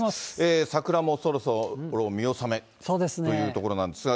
桜もそろそろ見納めというところなんですが。